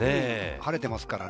晴れてますからね。